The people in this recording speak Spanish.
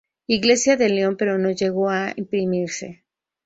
Iglesia de León", pero no llegó a imprimirse.